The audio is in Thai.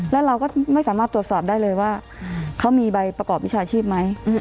แล้วเราก็ไม่สามารถตรวจสอบได้เลยว่าเขามีใบประกอบวิชาชีพไหม